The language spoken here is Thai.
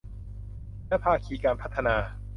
และภาคีการพัฒนา